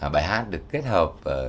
bài hát được kết hợp